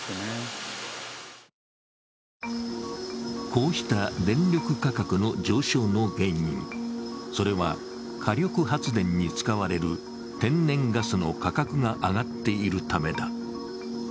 こうした電力価格の上昇の原因、それは火力発電に使われる天然ガスの価格が上がっているためだ。